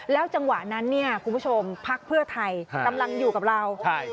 จังหวะนั้นเนี่ยคุณผู้ชมพักเพื่อไทยกำลังอยู่กับเรา